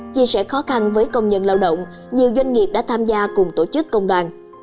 chia sẻ khó khăn với công nhân lao động nhiều doanh nghiệp đã tham gia cùng tổ chức công đoàn